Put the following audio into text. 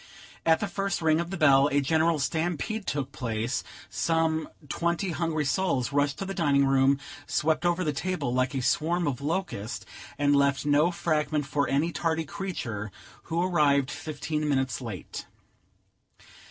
At the first ring of the bell, a general stampede took place; some twenty hungry souls rushed to the dining room, swept over the table like a swarm of locusts, and left no fragment for any tardy creature who arrived fifteen minutes late.